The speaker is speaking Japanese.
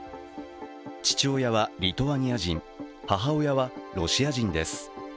父親はリトアニア人、母親はロシア人です。